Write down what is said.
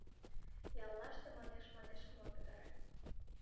Яллаште манеш-манешым от пытаре.